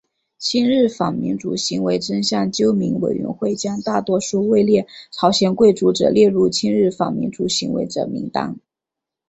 亲日反民族行为真相纠明委员会将大多数位列朝鲜贵族者列入亲日反民族行为者名单。